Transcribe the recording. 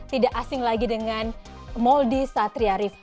tidak asing lagi dengan moldi satriarif